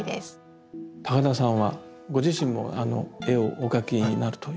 高田さんはご自身も絵をお描きになるという。